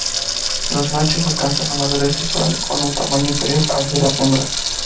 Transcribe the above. Los machos alcanzan la madurez sexual con un tamaño inferior al de las hembras.